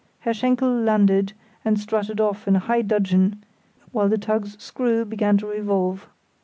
Herr Schenkel landed and strutted off in high dudgeon, while the tug's screw began to revolve.